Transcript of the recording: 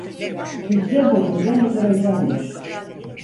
Hücre boyunca heterojendir.